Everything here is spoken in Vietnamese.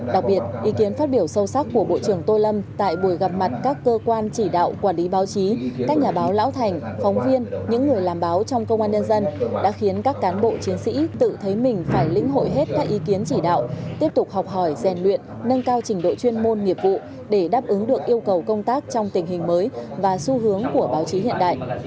đặc biệt ý kiến phát biểu sâu sắc của bộ trưởng tô lâm tại buổi gặp mặt các cơ quan chỉ đạo quản lý báo chí các nhà báo lão thành phóng viên những người làm báo trong công an nhân dân đã khiến các cán bộ chiến sĩ tự thấy mình phải linh hội hết các ý kiến chỉ đạo tiếp tục học hỏi rèn luyện nâng cao trình độ chuyên môn nghiệp vụ để đáp ứng được yêu cầu công tác trong tình hình mới và xu hướng của báo chí hiện đại